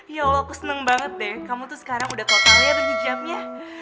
ya allah aku seneng banget deh kamu tuh sekarang udah totalnya tuh hijabnya